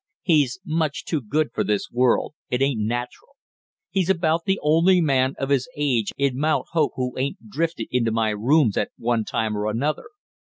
He's much too good for this world; it ain't natural. He's about the only man of his age in Mount Hope who ain't drifted into my rooms at one time or another."